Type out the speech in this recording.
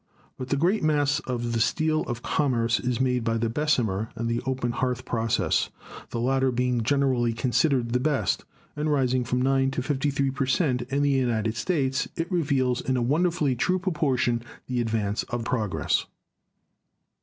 But the great mass of the steel of commerce is made by the Bessemer and the open hearth processes, the latter being generally considered the best, and rising from 9 to 53 per cent, in the United States, it reveals in a wonderfully true proportion the advance of progress.